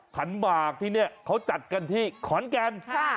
ขันหมากที่นี่เขาจัดกันที่ขอนแก่น